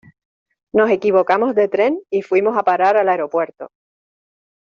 Nos equivocamos de tren y fuimos a parar al aeropuerto.